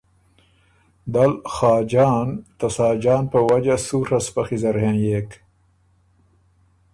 دل خاجان ته ساجان په وجه سُوڒه سپخچی زر هېنئېک